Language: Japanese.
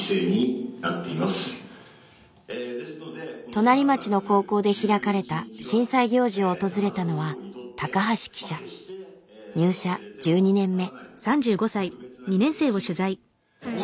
隣町の高校で開かれた震災行事を訪れたのは入社１２年目。